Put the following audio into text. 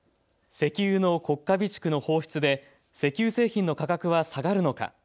石油の国家備蓄の放出で石油製品の価格は下がるのか。